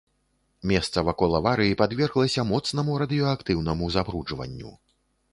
Месца вакол аварыі падверглася моцнаму радыеактыўнаму забруджванню.